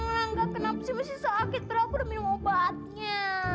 enggak kenapa sih masih sakit berapa udah minum obatnya